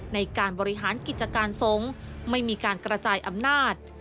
ในการบริหารกิจการสงฆ์ไม่มีการกระจายอำนาจ